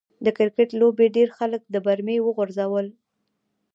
د کرکټ لوبې ډېر خلک د برمې و غورځول.